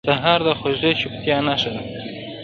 سهار د خوږې چوپتیا نښه ده.